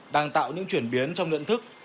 đang tạo những chuyển biến trong luyện thức